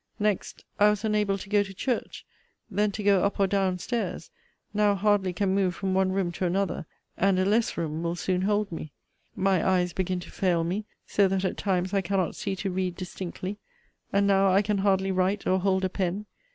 Next, I was unable to go to church; then to go up or down stairs; now hardly can move from one room to another: and a less room will soon hold me. My eyes begin to fail me, so that at times I cannot see to read distinctly; and now I can hardly write, or hold a pen.